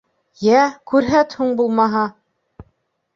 — Йә, күрһәт һуң, булмаһа.